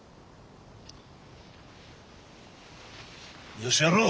よしやろう。